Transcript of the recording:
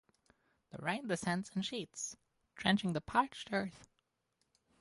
The rain descends in sheets, drenching the parched earth.